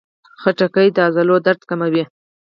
خټکی د عضلو درد کموي.